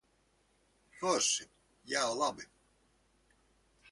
Forši. Jā, labi.